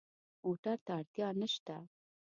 موټر ته اړتیا نه شته.